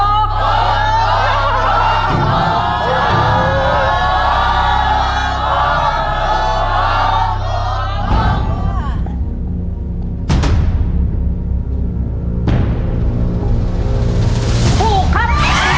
ถูกครับ